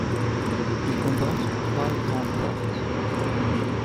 Il comporte trois grandes portes.